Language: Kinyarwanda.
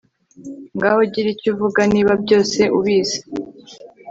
ngaho gira icyo uvuga, niba byose ubizi